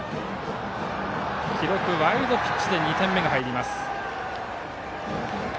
記録はワイルドピッチで２点目が入ります。